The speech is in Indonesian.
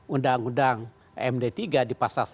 undang undang md tiga di pasar satu ratus sembilan puluh tiga